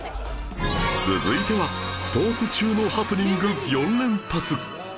続いてはスポーツ中のハプニング４連発